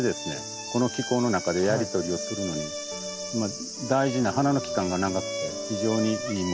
この気候の中でやり取りをするのに大事な花の期間が長くて非常にいいもの。